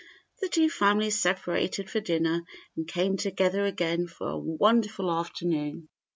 The two families separated for dinner and came together again for a wonderful afternoon.